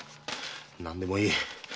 何でもいい。